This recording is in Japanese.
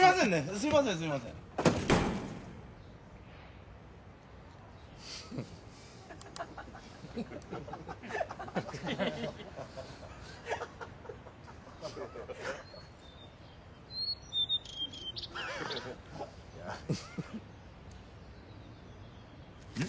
すいませんすいませんうん？